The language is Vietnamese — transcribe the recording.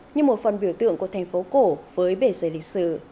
như một phần biểu tượng của thành phố cổ với bể rời lịch sử